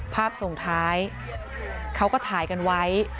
ส่งท้ายเขาก็ถ่ายกันไว้